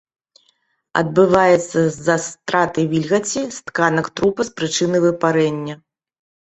Адбываецца з-за страты вільгаці з тканак трупа з прычыны выпарэння.